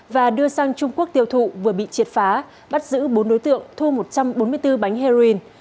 và đưa sang trung quốc tiêu thụ vừa bị triệt phá bắt giữ bốn đối tượng thu một trăm bốn mươi bốn bánh heroin